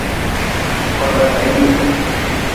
Korga kayinga.